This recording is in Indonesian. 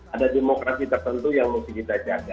ada demokrasi tertentu yang mesti kita jaga